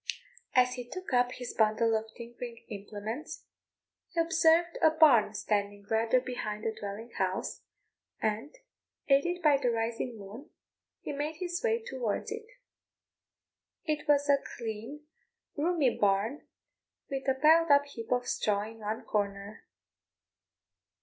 As he took up his bundle of tinkering implements, he observed a barn standing rather behind the dwelling house, and, aided by the rising moon, he made his way towards it. It was a clean, roomy barn, with a piled up heap of straw in one corner.